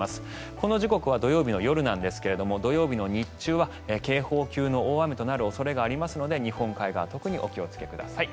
この時刻は土曜日の夜なんですけれども土曜日の日中は警報級の大雨となる恐れがありますので日本海側特にお気をつけください。